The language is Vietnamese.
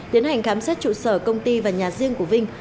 tiến hành khám xét trụ sở công ty và nhà riêng của vinh